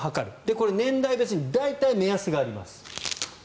これは年代別に大体、目安があります。